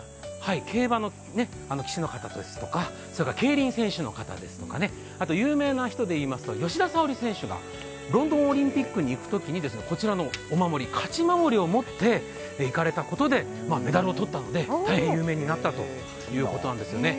競馬の騎手の方ですとか競輪選手の方ですとか有名な人で言いますと、吉田沙保里選手がロンドンオリンピックに行くときに、こちらのお守り、勝守を持って行かれてメダルを取ったので大変有名になったということなんですね。